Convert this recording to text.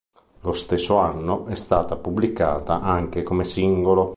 Lo stesso anno è stata pubblicata anche come singolo.